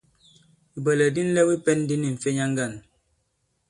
Ìbwɛ̀lɛ̀k di nlɛw i pɛ̄n di ni m̀fenya ŋgǎn.